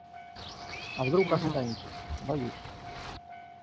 А вдруг останетесь, боюсь.